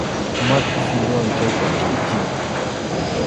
Maki silluwan chayta kʼichiy.